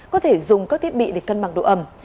có thể dùng các thiết bị để cân bằng độ ẩm